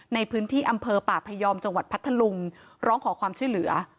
ในพื้นที่อำเภอป่าพยอมจังหวัดพัทธลุงร้องขอความช่วยเหลือ